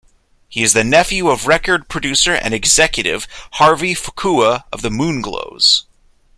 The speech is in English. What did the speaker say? He is the nephew of record producer and executive Harvey Fuqua of The Moonglows.